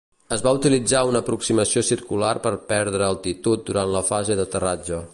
Es va utilitzar una aproximació circular per perdre altitud durant la fase d'aterratge.